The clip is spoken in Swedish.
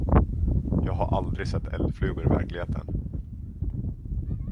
Jag har aldrig sett eldflugor i verkligheten.